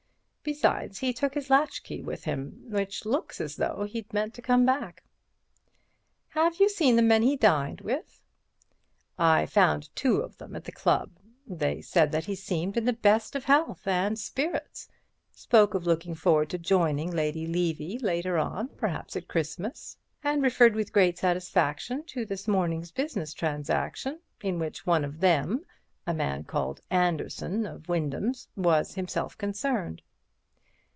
Besides, he took his latchkey with him, which looks as though he'd meant to come back." "Have you seen the men he dined with?" "I found two of them at the club. They said that he seemed in the best of health and spirits, spoke of looking forward to joining Lady Levy later on—perhaps at Christmas—and referred with great satisfaction to this morning's business transaction, in which one of them—a man called Anderson of Wyndham's—was himself concerned."